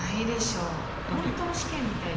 本当の試験みたいですよね。